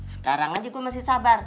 sekarang aja gue masih sabar